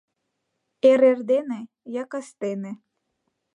Эр-эрдене я кастене